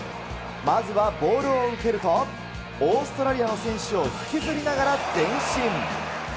まずはボールを受けると、オーストラリアの選手を引きずりながら前進。